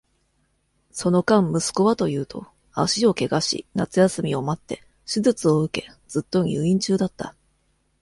その間、息子はというと、足を怪我し、夏休みを待って、手術を受け、ずっと入院中だった。